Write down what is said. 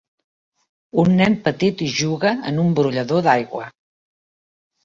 Un nen petit juga en un brollador d'aigua.